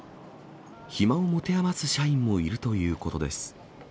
暇を持て余す社員もいるということです。